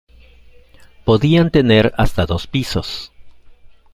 Podían tener hasta dos pisos.